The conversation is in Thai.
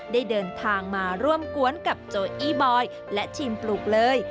ได้เดินทางมาร่วมกวนกับโจอี้บอยและชิมปลูกเลย